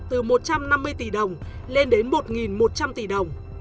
từ một trăm năm mươi tỷ đồng lên đến một một trăm linh tỷ đồng